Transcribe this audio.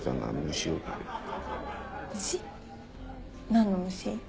虫？何の虫？